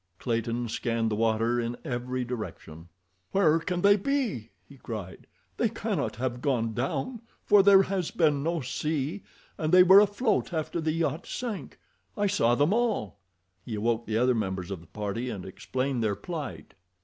Clayton scanned the water in every direction. "Where can they be?" he cried. "They cannot have gone down, for there has been no sea, and they were afloat after the yacht sank—I saw them all." He awoke the other members of the party, and explained their plight.